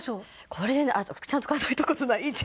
これでちゃんと数えた事ない。